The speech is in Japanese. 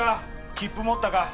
切符持ったか？